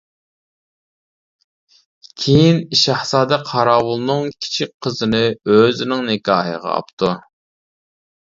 كېيىن، شاھزادە قاراۋۇلنىڭ كىچىك قىزىنى ئۆزىنىڭ نىكاھىغا ئاپتۇ.